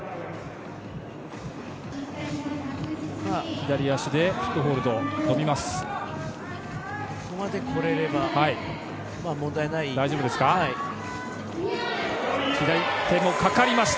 左足でキックホールドに乗ります。